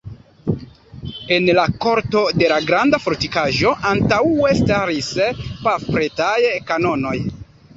En la korto de la granda fortikaĵo antaŭe staris pafpretaj kanonoj.